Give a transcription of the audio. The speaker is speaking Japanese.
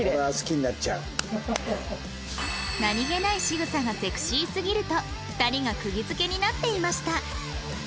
何げないしぐさがセクシーすぎると２人が釘付けになっていました